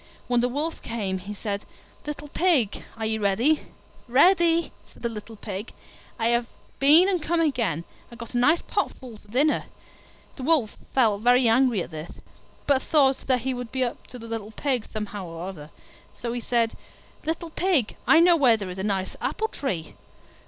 When the Wolf came he said, "Little Pig, are you ready?" "Ready!" said the little Pig, "I have been and come back again, and got a nice pot full for dinner." The Wolf felt very angry at this, but thought that he would be up to the little Pig somehow or other; so he said, "Little Pig, I know where there is a nice apple tree."